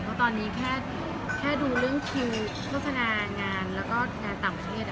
เพราะตอนนี้แค่ดูเรื่องคิวโฆษณางานแล้วก็งานต่างประเทศ